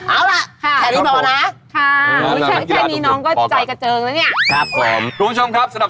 เอาหละแขนนึกบอกนะ